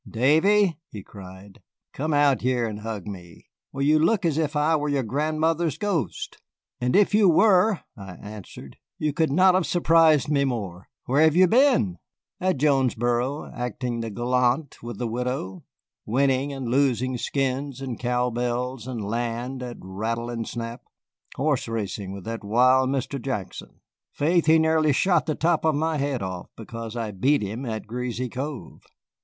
"Davy," he cried, "come out here and hug me. Why, you look as if I were your grandmother's ghost." "And if you were," I answered, "you could not have surprised me more. Where have you been?" "At Jonesboro, acting the gallant with the widow, winning and losing skins and cow bells and land at rattle and snap, horse racing with that wild Mr. Jackson. Faith, he near shot the top of my head off because I beat him at Greasy Cove."